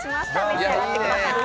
召し上がってください。